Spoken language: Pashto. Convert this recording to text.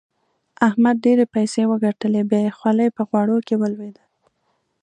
احمد ډېرې پيسې وګټلې؛ بيا يې خولۍ په غوړو کې ولوېده.